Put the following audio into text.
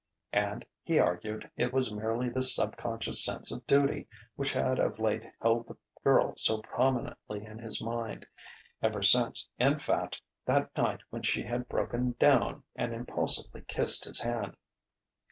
And, he argued, it was merely this subconscious sense of duty which had of late held the girl so prominently in his mind ever since, in fact, that night when she had broken down and impulsively kissed his hand.